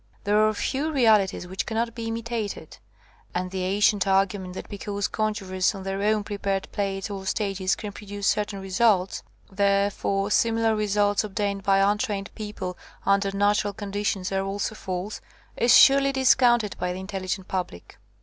There are few real ities which cannot be imitated, and the an cient argument that because conjurers on their own prepared plates or stages can pro duce certain results, therefore similar re vi PREFACE suits obtained by untrained people under natural conditions are also false, is surely discounted by the intelligent public.